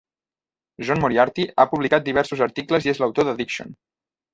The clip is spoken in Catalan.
John Moriarty ha publicat diversos articles i és l'autor de "Diction".